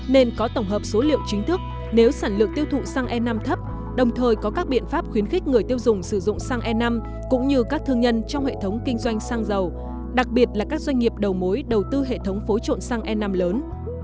nên có tổng hợp số liệu chính thức nếu sản lượng tiêu thụ xăng e năm thấp đồng thời có các biện pháp khuyến khích người tiêu dùng sử dụng xăng e năm cũng như các thương nhân trong hệ thống kinh doanh xăng dầu đặc biệt là các doanh nghiệp đầu mối đầu tư hệ thống phối trộn xăng e năm lớn